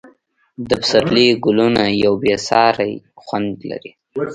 د پسرلي ګلونه یو بې ساری خوند لري.